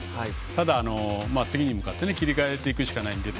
ただ、次に向かって切り替えていくしかないので。